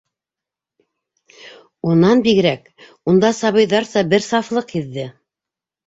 Унан бигерәк, унда сабыйҙарса бер сафлыҡ һиҙҙе.